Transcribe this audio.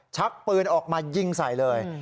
ชักปืนออกมายิงใส่เลย